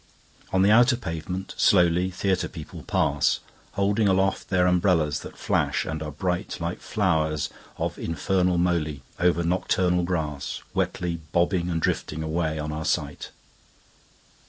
On the outer pavement, slowly, Theatre people pass, Holding aloft their umbrellas that flash and are brightLike flowers of infernal molyOver nocturnal grassWetly bobbing and drifting away on our sight.